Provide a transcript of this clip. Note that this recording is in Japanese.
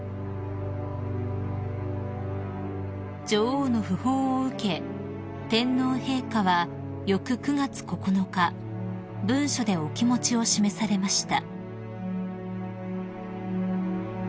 ［女王の訃報を受け天皇陛下は翌９月９日文書でお気持ちを示されました］